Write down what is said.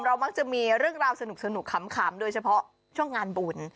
มักจะมีเรื่องราวสนุกขำโดยเฉพาะช่วงงานบุญ